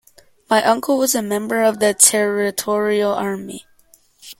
My uncle was a member of the Territorial Army